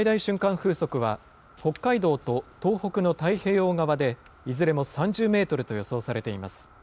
風速は、北海道と東北の太平洋側でいずれも３０メートルと予想されています。